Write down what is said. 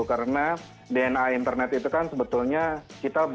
karena dna internet itu kan sebetulnya kita bisa